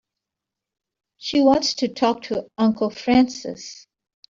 She wants to talk to Uncle Francis.